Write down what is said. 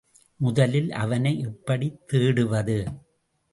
முதலில் அவனை எப்படித் தேடுவது?